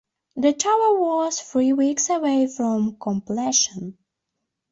The tower was three weeks away from completion.